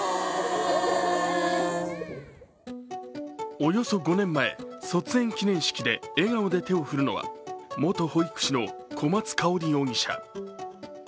およそ５年前、卒園記念式で笑顔で手を振るのは元保育士の小松香織容疑者。